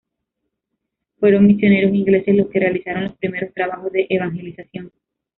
Fueron misioneros ingleses los que realizaron los primeros trabajos de evangelización.